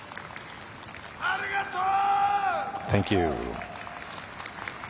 ありがとう！